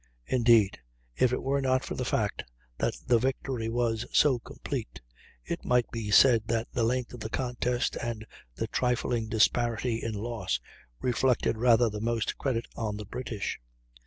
Indeed, if it were not for the fact that the victory was so complete, it might be said that the length of the contest and the trifling disparity in loss reflected rather the most credit on the British.